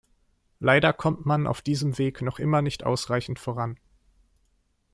Leider kommt man auf diesem Weg noch immer nicht ausreichend voran.